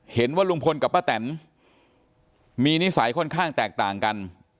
เห็นว่าลุงพลกับป้าแตนมีนิสัยค่อนข้างแตกต่างกัน